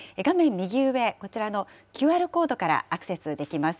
右上、こちらのＱＲコードからアクセスできます。